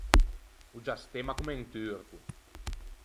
O giastemma comme un turco.